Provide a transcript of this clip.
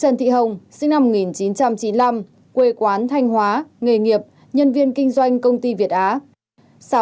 hai trần thị hồng sinh năm một nghìn chín trăm chín mươi năm quê quán thanh hóa nghề nghiệp nhân viên kinh doanh công ty việt á